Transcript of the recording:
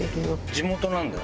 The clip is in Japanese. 地元なんだよ